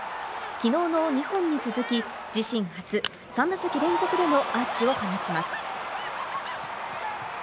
きのうの２ホーマーに続き、自身初、３打席連続でのアーチを放ちます。